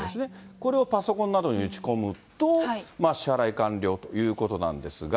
これをパソコンなどに打ち込むと、支払い完了ということなんですが。